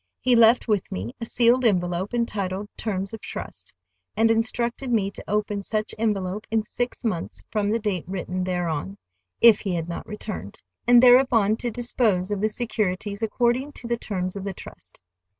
He left with me a sealed envelope, entitled "Terms of Trust," and instructed me to open such envelope in six months from the date written thereon—if he had not returned—and thereupon to dispose of the securities according to the terms of the trust.